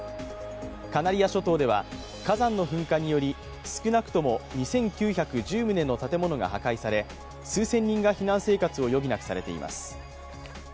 カナリア諸島では、火山の噴火により少なくとも２９１０棟の建物が破壊され、数千人が避難生活を余儀なくされています。